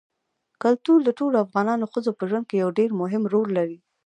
کلتور د ټولو افغان ښځو په ژوند کې یو ډېر مهم رول لري.